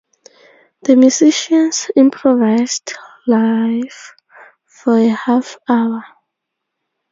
The musicians improvised live for a half-hour.